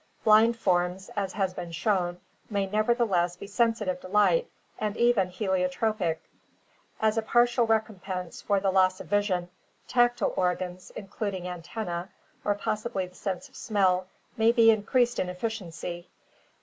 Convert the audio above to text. Blind forms, as has been shown, may nevertheless be sensitive to light and even heliotropic. As a partial recompense for the loss of vision, tactile organs, including antennae, or possibly the sense CAVE AND DEEP SEA LIFE 379 of smell, may be increased in efficiency.